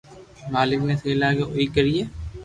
مالڪ ني سھي لاگي اوئي ڪرئي